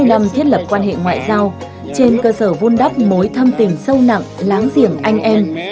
bảy mươi năm thiết lập quan hệ ngoại giao trên cơ sở vun đắp mối thâm tình sâu nặng láng giềng anh em